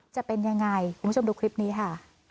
จะเป็นยังไงคุณผู้ชมดูคลิปนี้ค่ะ